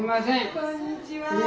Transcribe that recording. こんにちは。